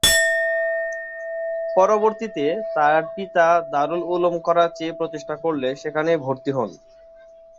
পরবর্তীতে তার পিতা দারুল উলুম করাচি প্রতিষ্ঠা করলে সেখানেই ভর্তি হন।